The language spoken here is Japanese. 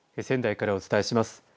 仙台からお伝えします。